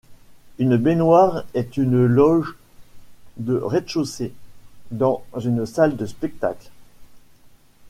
Une baignoire est une loge de rez-de-chaussée dans une salle de spectacle.